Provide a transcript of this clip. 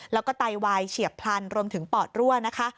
แล้วก็ไตวายเฉียบพลันรวมถึงปอดรั่วนะคะ